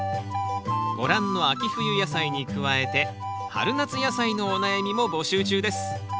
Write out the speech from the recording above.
ご覧の秋冬野菜に加えて春夏野菜のお悩みも募集中です。